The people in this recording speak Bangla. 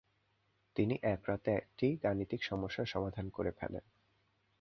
তিনি এক রাতে একটি গাণিতিক সমস্যার সমাধান করে ফেলেন।